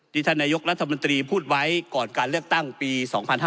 ท่านนายกรัฐมนตรีพูดไว้ก่อนการเลือกตั้งปี๒๕๕๙